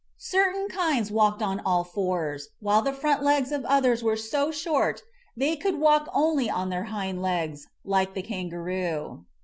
Certain kinds walked on all fours, while the front legs of others THE MIGHTY DINOSAURS 17 were so short they could walk only on their hind legs, like the kangaroo.